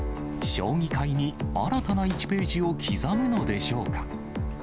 将棋界に新たな１ページを刻むのでしょうか。